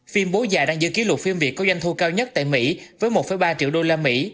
phim bố già đang giữ kỷ lục phim việt có doanh thu cao nhất tại mỹ với một ba triệu usd